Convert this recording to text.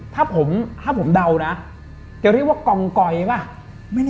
ถ้าผมเดานะเขาเรียกว่ากองกอยไหม